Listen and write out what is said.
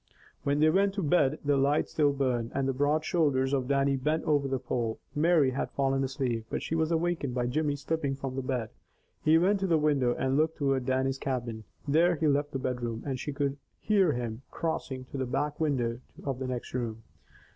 When they went to bed the light still burned and the broad shoulders of Dannie bent over the pole. Mary had fallen asleep, but she was awakened by Jimmy slipping from the bed. He went to the window and looked toward Dannie's cabin. Then he left the bedroom and she could hear him crossing to the back window of the next room.